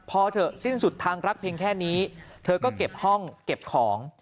พอเถอะสิ้นสุดทางรักเพียงแค่นี้เธอก็เก็บห้องเก็บของ